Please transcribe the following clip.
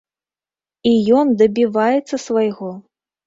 І ён дабіваецца свайго!